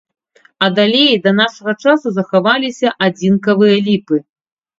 Ад алеі да нашага часу захаваліся адзінкавыя ліпы.